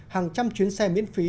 hàng trăm chuyến xe miễn phí